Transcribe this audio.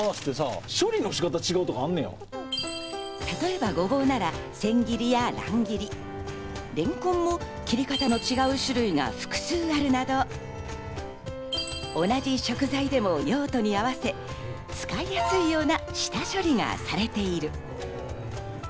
例えばごぼうなら千切りや乱切り、レンコンも切り方の違う種類が複数あるなど、同じ食材でも用途に合わせ、使いやすいような下処理がされている。